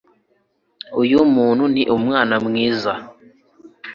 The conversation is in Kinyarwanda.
uyu muntu ni umwana mwiza